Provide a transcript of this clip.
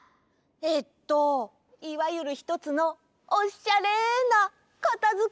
えっといわゆるひとつのおしゃれなかたづけばしょを！